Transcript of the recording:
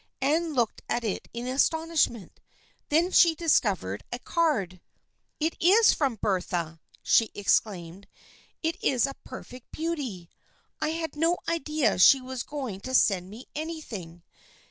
Anne looked at it in astonishment. Then she discov ered a card. " It is from Bertha !" she exclaimed. " It is a perfect beauty. I had no idea she was going to send me anything.